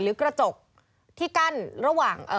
หรือกระจกที่กั้นระหว่าง